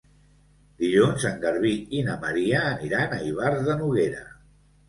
Dilluns en Garbí i na Maria aniran a Ivars de Noguera.